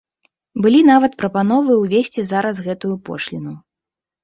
Былі нават прапановы ўвесці зараз гэтую пошліну.